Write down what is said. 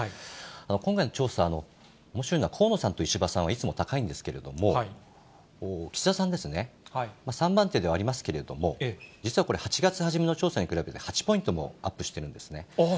今回の調査のおもしろいのは、河野さんと石破さんはいつも高いんですけれども、岸田さんですね、３番手ではありますけれども、実はこれ、８月初めの調査に比べて、８ポイントもアップしてるんですね。